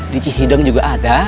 di cihideng juga ada